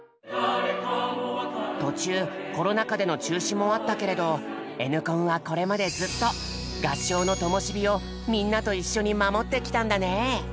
途中コロナ禍での中止もあったけれど「Ｎコン」はこれまでずっと合唱のともし火をみんなと一緒に守ってきたんだね。